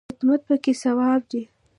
خدمت پکې ثواب دی